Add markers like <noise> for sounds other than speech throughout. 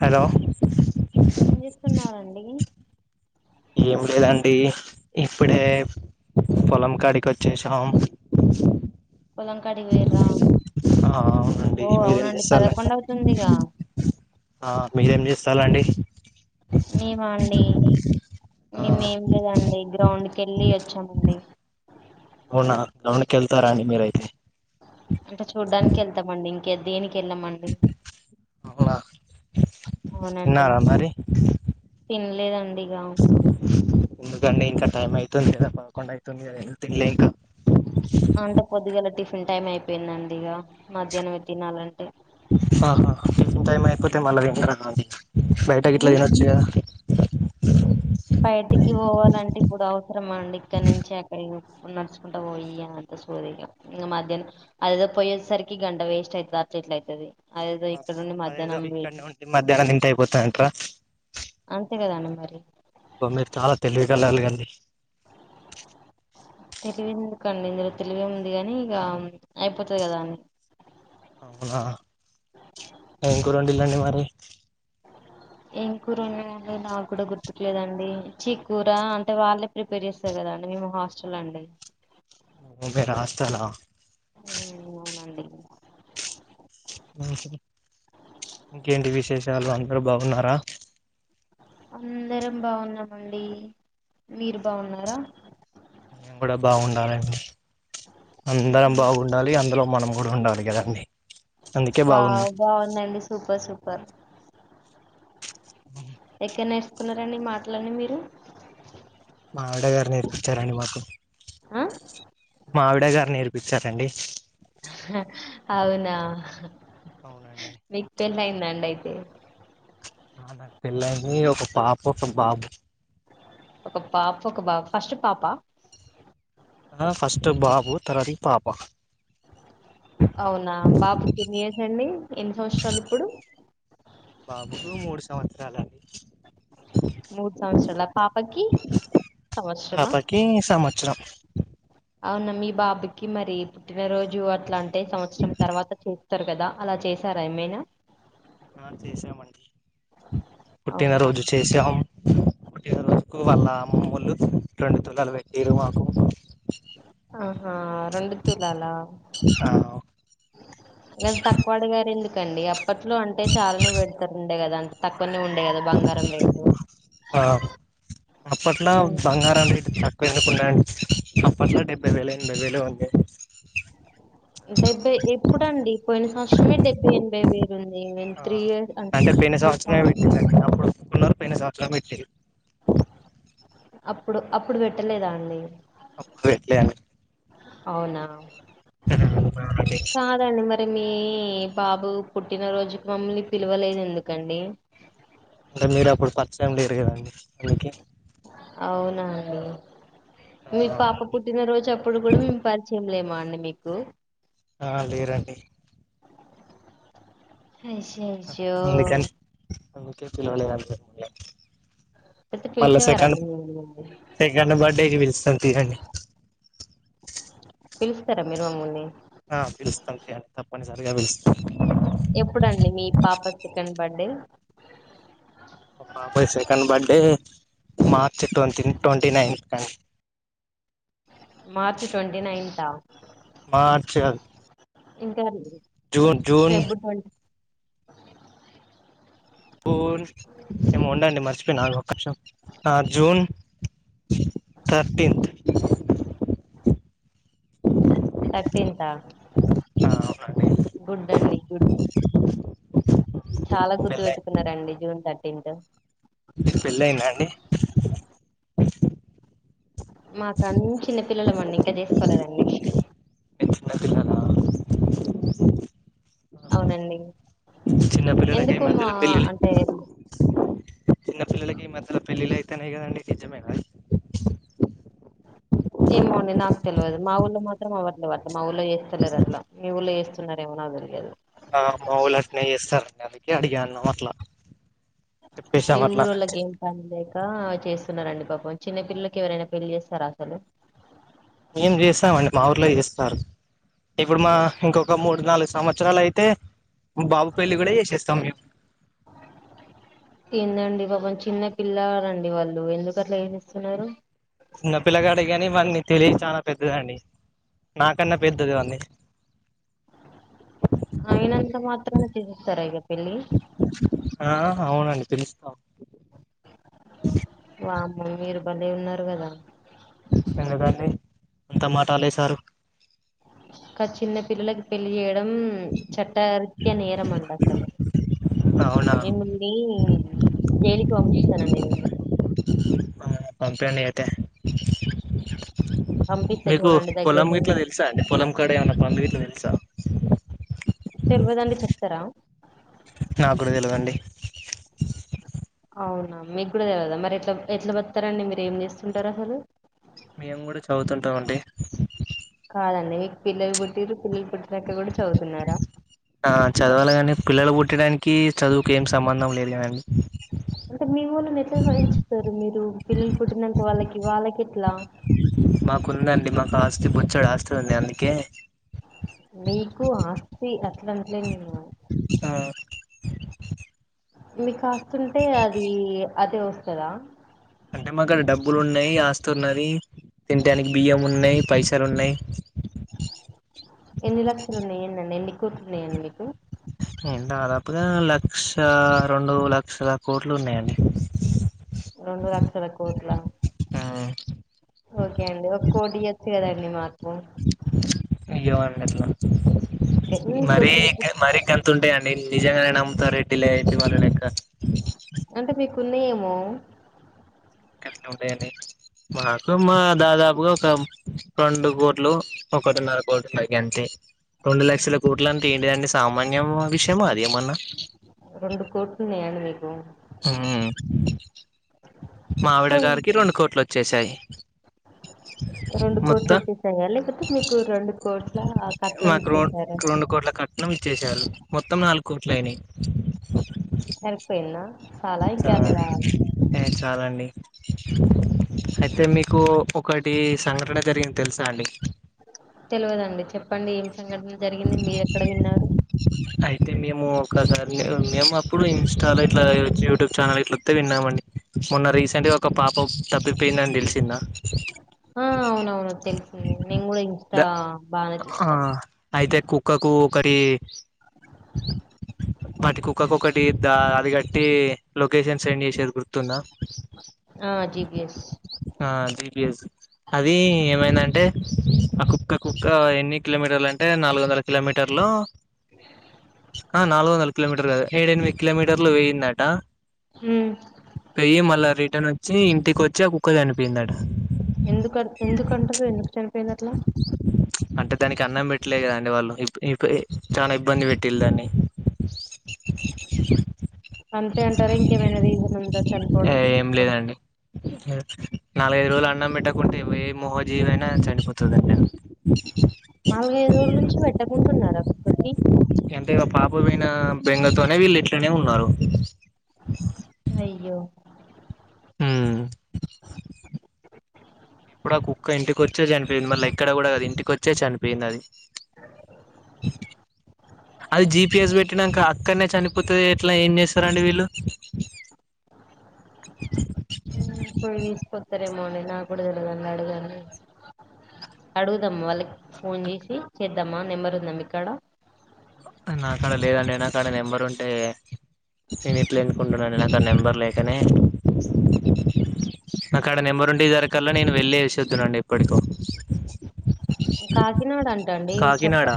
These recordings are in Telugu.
హలో జేస్తున్నారండి ఏం లేదండీ ఇప్పుడే పొలం కాడికి ఒచ్చేసాం పొలం కాడిగ్ వొయిర్రా ఆ అవునండి ఓ మీరేం అవునండి చేస్తాల పదకొండు అవుతుందిగా ఆ మీరేం జేస్తాలండి మేమా అండి ఆ మేమేం లేదండి గ్రౌండ్కి ఎళ్ళి ఒచ్చామండి అవునా గ్రౌండ్ కి ఎళ్తారా అండి మీరు అయితే అంటే చూడ్డానికి ఎళ్తామండి ఇంకే దేనికి కెళ్ళమండి అవునా అవునండి తిన్నారా మరి తిన్లేదండి ఇగ ఎందుకండీ ఇంకా టైం అయితుంది గదా పదకుండు అయితుంది గదా ఎన్ తిన్లే ఇంకా అంటే పొద్దుగాల టిఫిన్ టైమ్ అయిపోయిందండీ ఇగ మధ్యాహ్నమే తినాలంటే ఆహాహా టైమ్ అయిపోతే మల్ల ఇంటరా అండి ఇంక బయట గిట్ల ఉమ్? తినొచ్చు‌ గద బయటికి వోవాలంటే ఇప్పుడు అవసరమా అండి ఇక్కడ్నుంచి అక్కడి బో నడుచుకుంట వొయ్యి అంత సోది ఇగ ఇంగ మధ్యానం అదేదో పోయేసరికి గంట వేస్ట్ అయిద్ది అట్ల ఎట్ల అయితది అదేదో ఇక్కడ నుండి అదేదో మధ్యాహ్నం వే ఇక్కడనే ఉండి మధ్యాహ్నం దింటే అయిపోతది అంటరా అంతే గదా అండి మరి ఓ మీరు చాలా తెలివిగల్లోలు గద తెలివి ఎందుకండి ఇందులో తెలివి ఉంది గనీ ఇగ అయిపోతది గదా అని అవునా ఏం కూర వండిల్లండి మరి ఏం కూర ఉన్నాయండి నాకు కూడా గుర్తుకులేదండి చీక్కూర అంటే వాళ్ళే ప్రిపేర్ చేస్తారు కదా అండి మేము హాస్టల్ అండి ఓ మీరు హాస్టల్ ఆ ఊ అవునండి మంచిది ఇంకేంటి విశేషాలు అందరూ బావున్నారా అందరం బావున్నామండి మీరు బావున్నారా మేము కూడా బావుండాలండి అందరం బాగున్ డాలి అందులో మనం కూడా ఉండాలి కదండి అందుకే బాగున్నాం వావ్ బావుందండి సూపర్ సూపర్ <inaudible> ఎక్కడ నేరుసుకున్నారండి ఈ మాటలన్నీ మీరు మా ఆవిడ గారు నేర్పిచ్చారండి మాకు ఆ మా ఆవిడ గారు నేర్పిచ్చారండి అవునా అవునండి పెళ్ళయ్యిందా అండి అయితే ఆ నాకు పెళ్ళయ్యింది ఒక పాప ఒక బాబు ఒక పాప ఒక బాబు ఫస్ట్ పాప ఆహా ఫస్ట్ బాబు తర్వాతికి పాప అవునా బాబుకి ఎన్ని ఇయర్స్ అండి ఎన్ని సంవత్సరాలు ఇప్పుడు బాబుకు మూడు సంవత్సరాలు అండి మూడు సంవత్సరాలా పాపకి సంవత్సరమా దే సమ చ్చరం అవునా మీ బాబుకి మరి పుట్టినరోజు అట్లా అంటే సంవచ్చరం తర్వాత చే త్తరు కదా అలా చేసారా ఏమైనా ఆ చేశామండి అవునా పుట్టినరోజు చేసాం పుట్టినరోజుకు వాళ్ళ అమ్మమ్మోళ్ళు రెండు తులాలు పెట్టిర్రు మాకు ఆహా రెండు తులాలా ఆ ఇగ అంత తక్కువ అడిగారు ఎందుకండి అప్పట్లో అంటే చాలానే పెడుతారంట కదన్ తక్కువనే ఉండే కదా బంగారం రేటు ఆ అప్పట్లో హ్మ్. బంగారం రేటు త కెందుకున్నాయండి ఆప్పట్లో డెబ్బై వేలో ఎనభై వేలో ఉండేది డెబ్బై ఎప్పుడండి పోయిన సంవత్సరమే డెబ్బై ఎనభై వే ఆ <unintelligible> త్రీ ఇయర్స్ అంటే పోయిన మూడు సంవత్సరమే సం అప్పుడు ఒప్పుకున్నరు పోయిన సంవత్సరం పెట్టిర్రు అప్పుడు అప్పుడు పెట్టలేదా అండి అప్పుడు పెట్టలే అండి అవునా కాదండి మ తే మీ బాబు పుట్టినరోజుకి మమ్మల్ని పిలవలేదు ఎందుకండి అంటే మీరు అప్పుడు పరిచయం లేరు కదండి అందుకే అవునా అండి మీ ఆ పాపు పుట్టినరోజు అప్పుడు కూడా మేము పరిచయం లేమా అండి మీకు ఆ లేరండి అయ్యయ్యో! అందుకని అందుకే పిలవలే అంతే అయితే మళ్ళ సెకండ్ పిలిచేవారండి మిమ్మల్ని సెకండ్ బర్త్డే కి పిలుస్తాం తీయండి. పిలుస్తరా మీరు మమ్ముల్ని ఆ పిలుస్తం తీయండి తప్పనిసరిగా పిలుస్తం. ఎప్పుడండి మీ పాప సెకండ్ బర్త్డే? పాపది second birthday March ట్వంటీన్ twenty nine కన్ మార్చ్ ట్వంటీ నైన్తా మార్చ్ గాద్ ఇంకా అండి జూన్ జూన్ జూన్ ఏమో ఉండే అండి మర్చిపోయిన ఆగు ఒక్క నిమిషం ఆ జూన్ థర్టీన్త్ థర్టీన్తా ఆ అవునండి గుడ్ అండి గుడ్ చాలా గుర్తు పెళ్ళై పెట్టుకున్నరండి జూన్ థర్టీన్త్ మీక్ పెళ్లైందా అండి? మాకన్ చిన్న పిల్లల మండి ఇంకా చేస్కోలేదండి. మీర్ చిన్న పిల్లలా? అవునండి చిన్నపిల్లలకి ఈ ఎందుకు మా మధ్యలో అంటే చిన్న పిల్లలకి ఈ మధ్యల పెళ్లిలైతన్నయి గదండి నిజమేన ఏమో అండి నాకు తెల్వదు మా ఊల్లో మాత్రం అవ్వట్లే మా ఊళ్లో చేస్తలేర్ అట్ల మీ ఊళ్ళో చేస్ స్తున్నరేమో నాక్ తెలియదు. ఆ మా ఊర్లో అట్నే చేస్తారండి అందుకే అడిగాను అట్ల మీ ఊరోల్లకేం పన్లేక చేస్తున్నారండి పాపం చిన్న పిల్లలకి ఎవరైనా పెళ్ళి చేస్తర అసలు మేం చేస్తామండి మా ఊర్లో చేస్తారు. ఇప్పుడు మా ఇంకొక మూడు నాలుగు సంవత్సరాలైతే బాబు పెళ్లి గుడ చేసేస్తాం మేం ఏందండి పాపం చిన్న పిల్లాలండి వాళ్ళు ఎందుకు అట్ల చేసేస్తున్నరు. చిన్న పిల్లగాడే గని వాని తెలివి చాలా పెద్దదండి నాకన్నా పెద్దది వాంది. అయినంత మాత్రన చేసేస్తర ఇగ పెళ్ళి ఆ అవునండి పిలుస్తాం. వామ్మో మీరు బలే ఉన్నారు గదా ఎందుకండి అంతా మాట అనేశారు. ఒక చిన్న పిల్లలకి పెళ్ళి జేయడం చట్టరీత్య నేరం అండి అసలు నేన్ అవునా మిమ్మల్నీ జైలుకి పంపిస్తనండి నేను పంపియండి అయితే పంపిస్తా మీకు చూడండి పొలం గిట్ల దగ్గరలోనే ఉంది తెల్సా అండి పొలం కాడ ఏమన్న పనులు గిట్ల తెల్సా తెల్వదండి చెప్తరా? నాక్ కుడ తెల్వదండి. అవునా మీక్ కూడా తెల్వదా మరి ఎట్ల ఎట్ల బతుకుతరండి మీరేం చేస్తుంటర్ అసలు మేం గుడా చదువుతుంటం అండి కాదండి మీక్ పిల్లలు పుట్టింరు పిల్లలు పుట్టినంక గుడ చదుతున్నారా ఆ చదవాలెగా అండి పిల్లలు పుట్టడానికీ చదువుకి ఏం సంబంధం లేదు గదండి. అంటే మీ ఓళ్ళని ఎట్ల భరించుతరు మీరు పిల్లల్ పుట్టినంక వాళ్ళకి వాళ్ళకెట్లా మాకుందండి మాకు ఆస్తి బొచ్చాడు ఆస్తుంది అందుకే, నీకు ఆస్తి అట్లాంటలే నేను, ఆ మీ కాస్తుంటే అది అదే వస్తుదా, అంటే మాక్కడ డబ్బులు ఉన్నాయి ఆస్తున్నది. తినడానికి బియ్యం ఉన్నాయి పైసలు ఉన్నాయి. ఎన్ని లక్షలున్నాయిండి ఎన్ని కోట్లు ఉన్నాయండి మీకు, దాదాపుగా లక్ష రెండు లక్షల కోట్లు ఉన్నాయండి. రెండు లక్షల కోట్ల, ఆ ఓకే అండి ఒక కోటి ఇయచ్చు కదండి మాకు, ఇయ్యమండి ఇట్లా ఓకే, ఎన్ని మరి కోట్లు మరి గ, తుంటాయి అడి నిజంగానే నమ్ముతారు రెడ్టి లేంటి వాళ్ళ ఇంకా, అంటే మీకున్నాయేమో, కట్టలు ఉంటాయి అండి మాకు మా దాదాపుగా ఒక రెండు కోట్లు, ఒకటిన్నర కోట్లు మాకు ఎంతే, రెండు లక్షల కోట్లను తండేదండి సామాన్య విషయమ అదేమన్నా, రెండు కోట్లున్నాయి మీకు, ఉహుమ్ మావిడ సో గారికి రెండు కోట్లు వచ్చేసాయి. రెండు కోట్లు మొత్తం వచ్చేసాయా లేకపోతే మీకు రెండు కోట్ల కట్నం మాకు రో ఇచ్చేసారా. రెండు కోట్ల కట్నం. నం ఇచ్చేశారు మొత్తం నాలుగు కోట్ల అయినాయి. సరిపోయింద చాలా ఇంకేన్నా కావాలి. ఏ చాలండి. అయితే మీకు ఒకటి సంఘటన జరిగింది తెలుసా అండి. తెలియదండి చెప్పండి ఏం సంఘటన జరిగింది మీరు ఎక్కడ విన్నారు. అయితే మేము ఒకసారి మేము అప్పుడు ఇన్స్టాలో ఇట్లా యూట్యూబ్ ఛానల్ ఇట్లా, తెగ విన్నామండి మొన్న రీసెంట్గా ఒక పాప తప్పిపోయిందని తెలిసింద, ఆ అవునవును తెలిసింది నేను కూడా ద ఇన్స్టా బాగానే ఆ చూస్తాం. అయితే కుక్కకు ఒకటి వాటి కుక్కకు ఒకటి. ద్దా అది కట్టి లొకేషన్ సెండ్ చేసేది గుర్తున్నా. ఆ జీ పి ఎస్, ఆ జీ పి ఎస్, అది ఏమైందంటే ఆ కుక్క కుక్క ఎన్ని కిలోమీటర్లు అంటే ఏ నాలుగు వందల కిలోమీటర్లు. అ ఆ నాలుగు వందల కిలోమీటర్ కాదు ఏడు ఎనిమిది కిలోమీటర్లు వయిందట. ఉమ్ పోయి మళ్ళా రిటర్న్ వచ్చి ఇంటికి వచ్చి ఆ కుక్క చనిపోయిందట. ఎందుకు ఎందుకుంటారు ఎందుకు చనిపోయింద అట్లా, అంటే దానికి అన్నం పెట్టి, ఇట్లే కదా అండి వాళ్ళుఈ పె చాలా ఇబ్బంది పెట్టల్లు దాన్ని, అంతే అంటారా ఇంకేమైనా రీజన్ ఉందా చనిపోవడం. ఏం లేదండి నాలుగైదు రోజులు అన్నం పెట్టకుంటే ఏ మూగ జీవి అయినా చనిపోతుందండి. నాలుగైదు రోజుల నుంచి పెట్టకుండున్నారా కుక్కకి అంటే ఇగ పాపపోయిన బెంగతోనే వీళ్ళు ఇట్లనే ఉన్నారు అయ్యో అప్పుడు ఆ కుక్క ఇంటికి వచ్చే చనిపోయింది మళ్ళీ ఎక్కడ కూడా కది ఇంటికి వచ్చే చనిపోయింది అది అది జిపి ఎస్ పెట్టినంక క్కనే చనిపోతది ఎట్లా ఏం చేస్తారండి వీళ్ళు పోయి తీసుకొస్తారేమో అండి నా కూడా తెలువదు అండి అడగండి అడుగుదామ్ వాళ్ళకి ఫోన్ చేసి చేద్దామ్మా నెంబర్ ఉందా మీ కాడ నా కాడ లేదండి నాకడ నెంబరు ఉంటే నేను ఇట్ల ఎందుకు ఉంటీనండి నాకదా నెంబర్ లేకనే నాకు కాడ నెంబరుంటె ఇడువారుకల్ల నేను వెళ్ళేషోద్దునండి ఏప్పటికో కాకినాడ అంట అండి చెప్ప కాకినాడ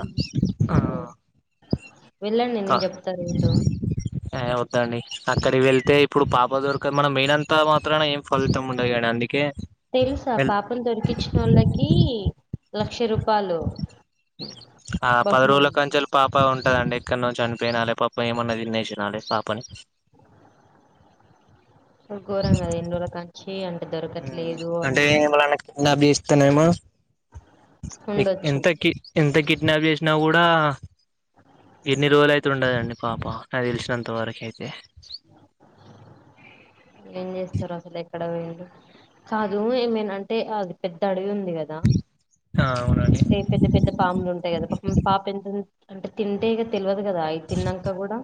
మ్ క ఏ వద్దండి అక్కడికి వెళ్తే ఇప్పుడు పాప దొరుకది మనం పోయినంతా మాత్రాన ఏం ఫలితం ఉండదు కానీ అందుకే కే తెలుసా పాపను దొరికించిన వాళ్ళకి లక్ష రూపాయలు ఆ పది రోల బహుమానం కంచి పాప ఉంటదండి ఎక్కడనో చనిపోయినాలే పాపం ఏమన్నది తినేసినాలే పాపని ఘోరంగా కద ఇన్ని రోల క మ్ అంటే ఎవలన్నా కిడ్నాప్ చేస్తేనేమో ఎక్ ఉండొచ్చు ఇంతకి ఎంత కిడ్నాప్ చేసినా కూడా ఇన్ని రోజులు అయితే ఉండదండి పాప నాక్ తెలిసినంత వరకు అయితే ఏం చేస్తారో అసలు ఎక్కడ పొఇందో కాదు ఏమేనాంటే అది పెద్ద అడవి ఉంది కదా ఆ అవునండి ప్ పెద్ద పెద్ద పాములు ఉంటాయి కదా పా పాప ఎంత అంటే తింటే ఇగ తెలవదు కదా అవి తిన్నాంకా కూడా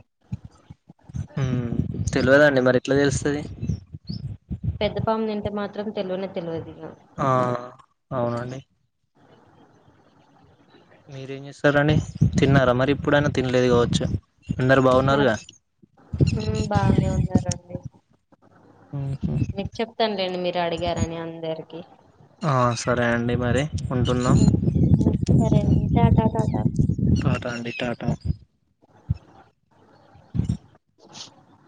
మ్ తెలువదండి మరి ఎట్లా తెలుస్తది పెద్ద పాము తింటే మాత్రం తెలువనే తెలువదు ఇగ ఆ అవునండి మీరేం చేస్తారండి తిన్నారా మరి ఇప్పుడైనా తినలేదు కావచ్చు అందరు బాగున్నారుగా హ్మ్మ్ బానే ఉన్నారండి మీకు చెప్తానులేండి మీరు అడిగారని అందరికి ఆ సరే అండి మరి ఉంటున్నాం హ్మ్మ్ సరే అండి టాటా టాటా టాటా అండి టాటా